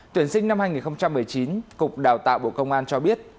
tuyển sinh năm hai nghìn một mươi chín cục đào tạo bộ công an cho biết